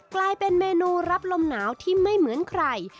กลายเป็นเมนูรับลมหนาวที่ไม่เหมือนใคร